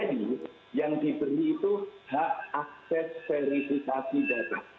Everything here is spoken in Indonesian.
jadi yang diberi itu hak akses verifikasi data